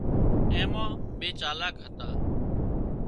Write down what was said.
اين مان ٻي چالاڪ هتا